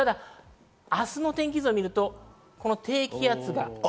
明日の天気図を見ると低気圧が。